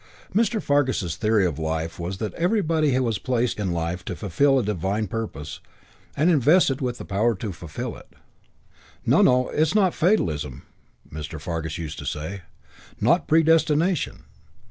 Mr. Fargus's theory of life was that everybody was placed in life to fulfil a divine purpose and invested with the power to fulfil it. "No, no, it's not fatalism," Mr. Fargus used to say. "Not predestination.